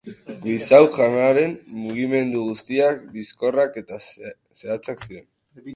Guizac jaunaren mugimendu guztiak bizkorrak eta zehatzak ziren.